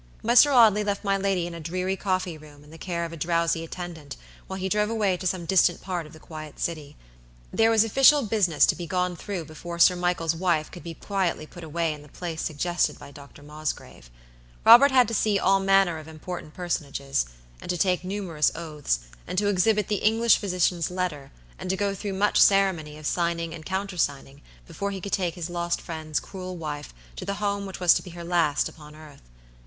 Mr. Audley left my lady in a dreary coffee room in the care of a drowsy attendant while he drove away to some distant part of the quiet city. There was official business to be gone through before Sir Michael's wife could be quietly put away in the place suggested by Dr. Mosgrave. Robert had to see all manner of important personages; and to take numerous oaths; and to exhibit the English physician's letter; and to go through much ceremony of signing and countersigning before he could take his lost friend's cruel wife to the home which was to be her last upon earth.